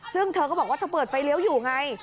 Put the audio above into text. ซึ่งเธอก็บอกว่าเธอเปิดไฟเลี้ยวอยู่ไง